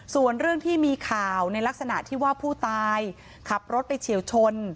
ส่วนเรื่องที่มีข่าวในลักษณะที่ว่าผู้ตายขับรถไปเฉียวชน